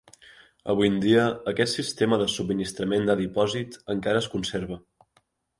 Avui en dia, aquest sistema de subministrament de dipòsit encara es conserva.